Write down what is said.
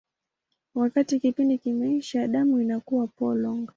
Wakati kipindi kimeisha, damu inakuwa polong.